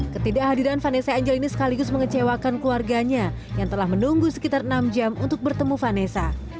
ketidakhadiran vanessa angel ini sekaligus mengecewakan keluarganya yang telah menunggu sekitar enam jam untuk bertemu vanessa